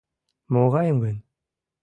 — Могайым гын?